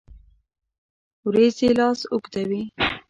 اوریځې لاس اوږدوي